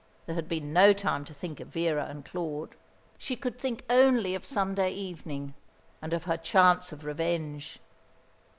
There had been no time to think of Vera and Claude. She could think only of Sunday evening, and of her chance of revenge.